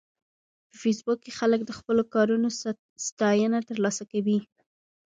په فېسبوک کې خلک د خپلو کارونو ستاینه ترلاسه کوي